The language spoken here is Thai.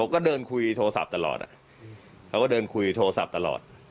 เขาก็เดินคุยโทรศัพท์ตลอด